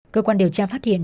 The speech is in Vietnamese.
cơ quan điều tra phát hiện